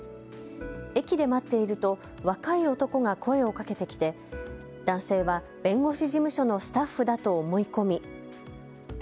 駅で待っていると若い男が声をかけてきて男性は弁護士事務所のスタッフだと思い込み。